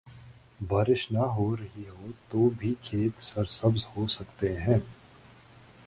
بارش نہ ہو رہی ہو تو بھی کھیت سرسبز ہو سکتے ہیں۔